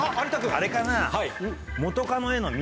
あれかな？